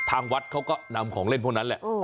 ทางวัดเขาก็นำของเล่นพวกนั้นแหละ